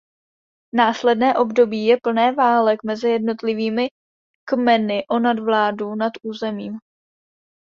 Následné období je plné válek mezi jednotlivými kmeny o nadvládu nad územím.